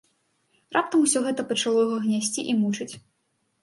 Раптам усё гэта пачало яго гнясці і мучыць.